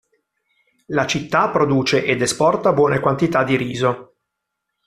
La città produce ed esporta buone quantità di riso.